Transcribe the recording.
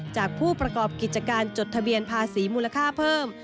จากผู้ประกอบกิจการจดทะเบียนภาษีมูลค่าเพิ่ม